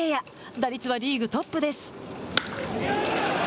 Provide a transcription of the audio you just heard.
打率はリーグトップです。